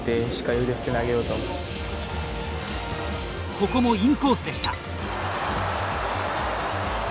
ここもインコースでした。